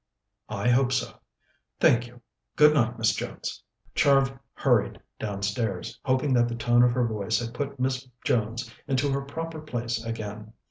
"I hope so. Thank you. Good night, Miss Jones." Char hurried downstairs, hoping that the tone of her voice had put Miss Jones into her proper place again.